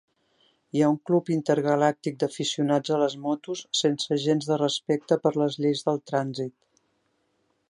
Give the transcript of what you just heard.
Hi ha un club intergalàctic d'aficionats a les motos sense gens de respecte per les lleis del trànsit.